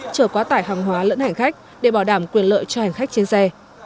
chở quá tải hàng hóa lẫn hành khách để bảo đảm quyền lợi cho hành khách trên xe